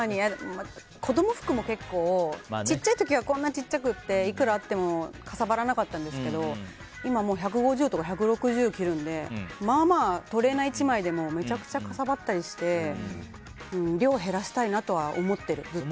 子供服も結構ちっちゃい時はこんなちっちゃくっていくらあってもかさばらなかったんですけど今はもう１５０とか１６０着るのでまあまあトレーナー１枚でもめちゃくちゃかさばったりして量を減らしたいなとは思ってるずっと。